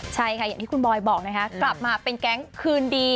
ใช่ค่ะอย่างที่คุณบอยบอกนะคะกลับมาเป็นแก๊งคืนดี